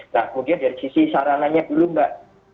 nah kemudian dari sisi sarananya dulu mbak